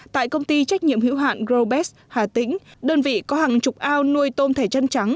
tại công ty trách nhiệm hữu hạn grobes hà tĩnh đơn vị có hàng chục ao nuôi tôm thẻ chân trắng